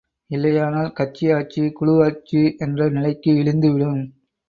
இல்லையானால் கட்சி ஆட்சி குழு ஆட்சி என்ற நிலைக்கு இழிந்து விடும்.